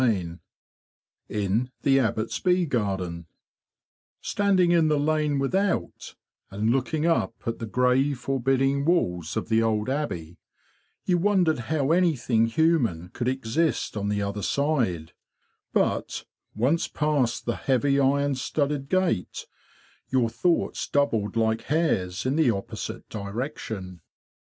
CHAPTER XV IN THE ABBOT'S BEE GARDEN St ANDING in the lane without, and looking up at the grey forbidding walls of the old abbey, you wondered how anything human could exist on the other side; but, once past the heavy iron studded gate, your thoughts doubled like hares in the opposite direction.